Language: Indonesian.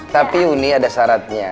tapi uni ada syaratnya